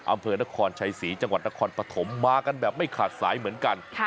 อำเภอนครชัยศรีจังหวัดนครปฐมมากันแบบไม่ขาดสายเหมือนกัน